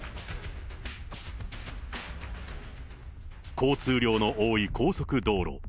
交通量の多い高速道路。